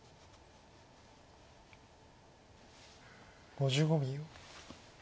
５５秒。